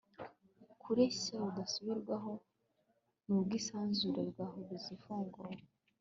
Kureshya bidasubirwaho nubwisanzure bwa horizon ifunguye